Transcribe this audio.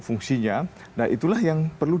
fungsinya nah itulah yang perlu